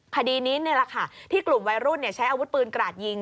คดีนี้นี่แหละค่ะที่กลุ่มวัยรุ่นใช้อาวุธปืนกราดยิง